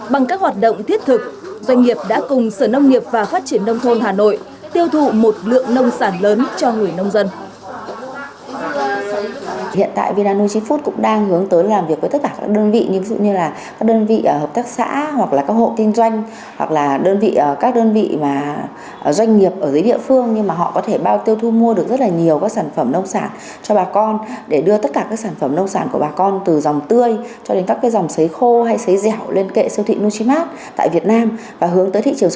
bằng các hoạt động thiết thực doanh nghiệp đã cùng sở nông nghiệp và phát triển nông thôn hà nội tiêu thụ một lượng nông sản lớn cho người nông dân